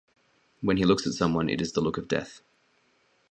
When he looks at someone, it is the look of death.